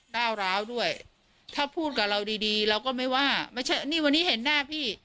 ก้าวร้าวด้วยถ้าพูดกับเราดีดีเราก็ไม่ว่าไม่ใช่นี่วันนี้เห็นหน้าพี่